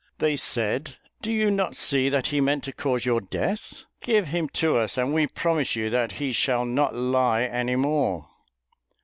They said, "Do you not see that he meant to cause your death? Give him to us, and we promise you that he shall not lie any more."